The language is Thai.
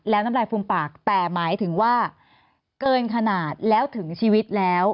แล้วน้ำลายฟูมปากแต่หมายถึงว่าเกินขนาดแล้วถึงชีวิตแล้ว